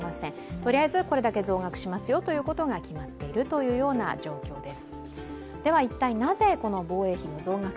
とりあえずこれだけ増額しますよということが決まっているという状況です。